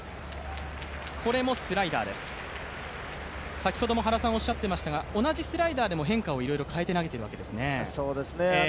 先ほども原さんおっしゃっていましたが、同じスライダーでも変化をいろいろ変えて投げているわけですね。